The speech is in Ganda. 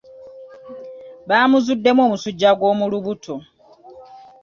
Baamuzuddemu omusujja gw'omu lubuto.